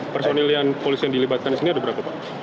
personil yang polisi yang dilibatkan disini ada berapa pak